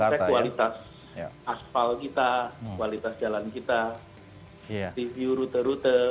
jadi mereka mengecek kualitas asfal kita kualitas jalan kita review rute rute